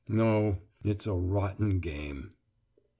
No, it's a rotten game."